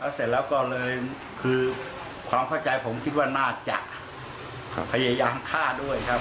เสร็จแล้วก็เลยคือความเข้าใจผมคิดว่าน่าจะพยายามฆ่าด้วยครับ